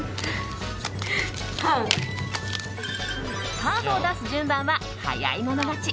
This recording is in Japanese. カードを出す順番は早い者勝ち。